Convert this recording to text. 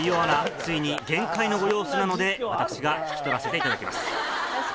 ついに限界のご様子なので私が引き取らせていただきます。